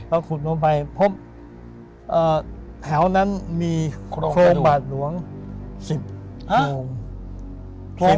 อเจมส์ก็ขุดตรงเนี่ยแถวนั้นมีโครงบาดหลวง๑๐โครง